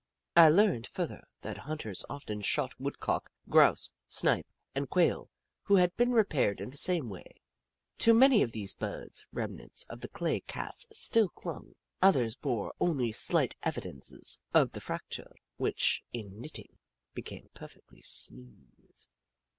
I learned, further, that hunters often shot Woodcock, Grouse, Snipe, and Quail who had been repaired in the same way. To many of these Birds remnants of the clay casts still clung ; others bore only slight evidences of the fracture, which, in knitting, became per fectly smooth.